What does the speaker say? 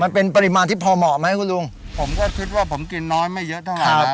ปริมาณที่พอเหมาะไหมคุณลุงผมก็คิดว่าผมกินน้อยไม่เยอะเท่าไหร่ครับ